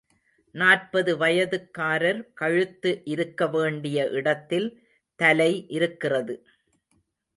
நாற்பது வயதுக்காரர் கழுத்து இருக்க வேண்டிய இடத்தில் தலை இருக்கிறது.